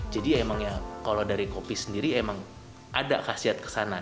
jadi memang ya kalau dari kopi sendiri emang ada khasiat kesana